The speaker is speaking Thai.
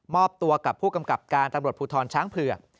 อบตัวกับผู้กำกับการตำรวจภูทรช้างเผือก